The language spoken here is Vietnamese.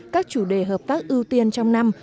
các chủ đề hợp tác ưu tiên trong năm